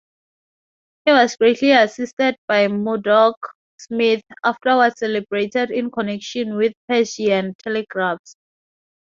He was greatly assisted by Murdoch Smith, afterwards celebrated in connection with Persian telegraphs.